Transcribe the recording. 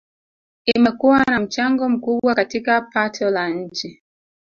Imekuwa na mchango mkubwa katika pato la nchi